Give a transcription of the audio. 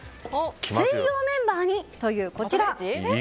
水曜メンバーに！というこちら。